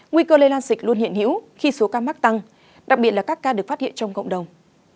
nguy cơ lây lan dịch luôn hiện hữu khi số ca mắc tăng đặc biệt là các ca được phát hiện trong cộng đồng